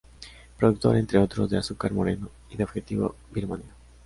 Productor, entre otros, de Azúcar Moreno y de Objetivo Birmania.